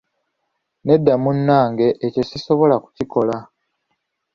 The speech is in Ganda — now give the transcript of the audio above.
Nedda munange, ekyo sisobola kukikola.